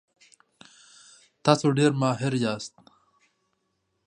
تاسو ډیر ماهر یاست.